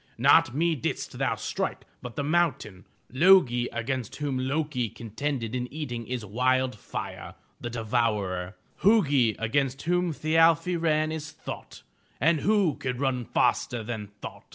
Not me didst thou strike but the mountain. Lo'gi against whom Lo'ki contended in eating is wild fire, the devourer ; Hu'gi against whom Thi al'fi ran is thought, and who can run faster than thought?